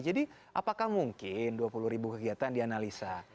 jadi apakah mungkin dua puluh ribu kegiatan dianalisa